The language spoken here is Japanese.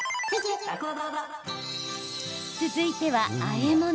続いては、あえ物。